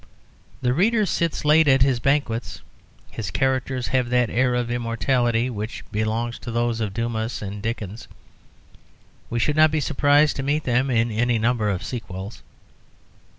The reader sits late at his banquets. His characters have that air of immortality which belongs to those of Dumas and Dickens. We should not be surprised to meet them in any number of sequels.